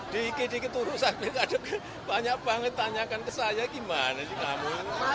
dikit dikit urusan kita banyak banget tanyakan ke saya gimana sih kamu